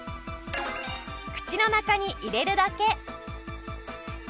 口の中に入れるだけ！